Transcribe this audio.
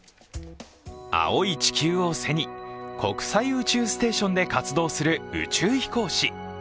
青い地球を背に国際宇宙ステーションで活動する宇宙飛行士。